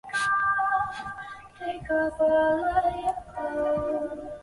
东侧不远则是施高塔路口的内山书店。